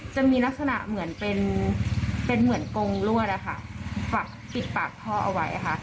จะมีลักษณะเหมือนกงรวดปิดปากทอเอาไว้